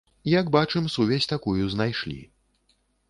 Як бачым, сувязь такую знайшлі.